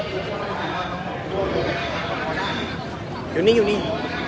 อยู่นี่อยู่นี่